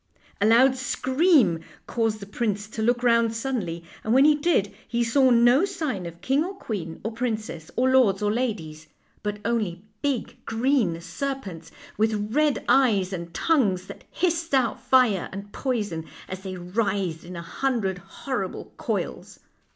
A loud scream caused the prince to look round suddenly, and when he did he saw no sign of king or queen, or princess, or lords THE LITTLE WHITE CAT 139 or ladies, but only big green serpents, with red eyes and tongues, that hissed out fire and poison as they writhed in a hundred horrible coils.